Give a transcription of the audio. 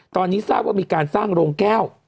ตอนนี้ทราบว่ามีการสร้างโรงแก้ว